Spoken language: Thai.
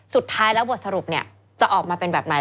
สุดท้ายแล้วบทสรุปจะออกมาเป็นแบบไหน